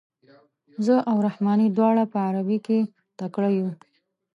زه او رحماني دواړه په عربي کې تکړه یو.